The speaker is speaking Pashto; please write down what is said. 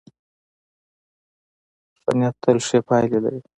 ښه نیت تل ښې پایلې لري.